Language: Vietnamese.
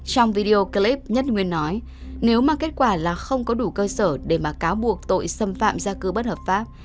trong video clip nhất nguyên nói nếu mà kết quả là không có đủ cơ sở để mà cáo buộc tội xâm phạm gia cư bất hợp pháp